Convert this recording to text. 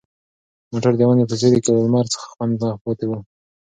موټر د ونې په سیوري کې له لمر څخه خوندي پاتې و.